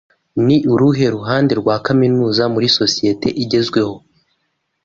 Ni uruhe ruhare rwa Kaminuza muri sosiyete igezweho?